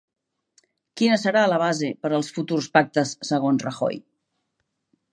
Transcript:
Quina serà la base per als futurs pactes segons Rajoy?